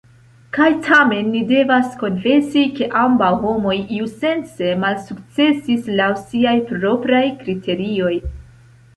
Kaj tamen ni devas konfesi, ke ambaŭ homoj iusence malsukcesis, laŭ siaj propraj kriterioj.